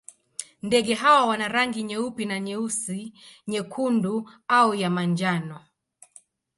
Ndege hawa wana rangi nyeupe na nyeusi, nyekundu au ya manjano.